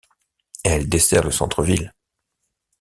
Elle dessert le centre-ville.